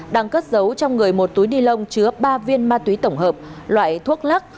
đang cất giấu trong người một túi nilon chứa ba viên ma túy tổng hợp loại thuốc lắc